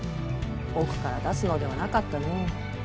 奥から出すのではなかったの。